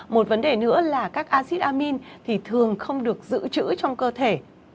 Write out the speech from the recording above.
một vấn đề nữa là các acid amin thì thường không được giữ chữ trong cơ thể